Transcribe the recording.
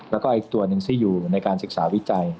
แล้วก็อีกตัวหนึ่งที่อยู่ในการศึกษาวิจัย